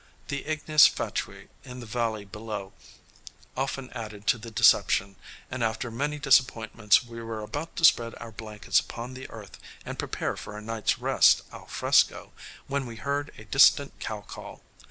The ignes fatui in the valley below often added to the deception, and after many disappointments we were about to spread our blankets upon the earth and prepare for a night's rest al fresco when we heard a distant cow call.